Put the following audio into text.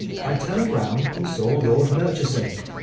I turned round, and saw Lord Murchison.